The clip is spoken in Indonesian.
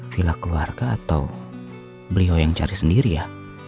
vila keluarga atau beliau yang cari sendiri ya